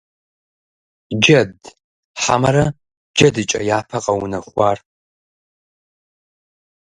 Джэд хьэмэрэ джэдыкӀэ япэ къэунэхуар?